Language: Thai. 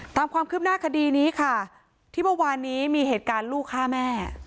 ตามความคืบหน้าคดีนี้ค่ะที่เมื่อวานนี้มีเหตุการณ์ลูกฆ่าแม่